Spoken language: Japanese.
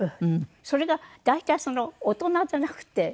それが大体大人じゃなくて。